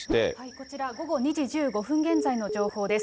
こちら、午後２時１５分現在の情報です。